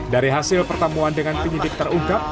dari hasil pertemuan dengan penyidik terungkap